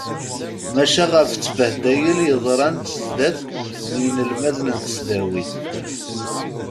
Maca ɣef ttbehdayel yeḍran sdat n yinelmaden n tesdawit.